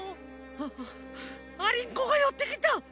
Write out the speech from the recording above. ああありんこがよってきた。